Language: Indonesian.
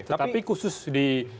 tetapi khusus di